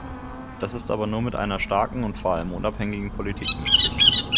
Das ist aber nur mit einer starken und vor allem unabhängigen Politik möglich.